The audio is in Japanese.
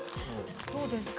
・どうですか？